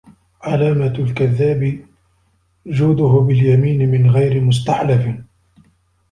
علامة الكذاب جوده باليمين من غير مستحلف